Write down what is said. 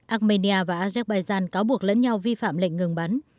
armenia và azerbaijan cáo buộc lẫn nhau vi phạm lệnh ngừng bắn